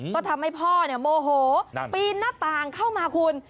ก็ทำให้พ่อโมโหปีนหน้าต่างเข้ามาคุณ